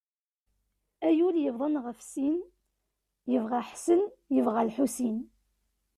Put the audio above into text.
A yul yebḍan ɣef sin, yebɣa ḥsen, yebɣa lḥusin.